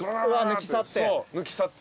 抜き去って？